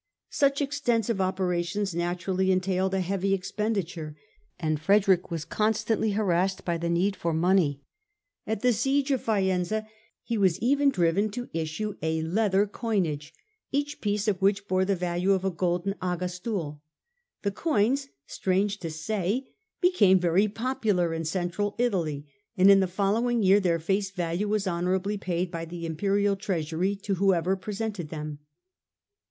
Such extensive operations naturally entailed a heavy expenditure, and Frederick was constantly harassed by the need for money. At the siege of Faenza he was even driven to issue a leather coinage, each piece of which bore the value of a golden augustul. The coins, strange to say, became very popular in Central Italy, and in the following year their face value was honourably paid by the Imperial treasury to whoever presented them.